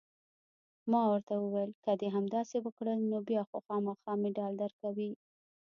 ما ورته وویل: که دې همداسې وکړل، نو بیا خو خامخا مډال درکوي.